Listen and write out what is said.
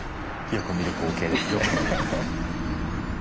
よく見る光景ですね。